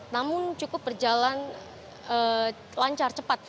namun cukup berjalan lancar cepat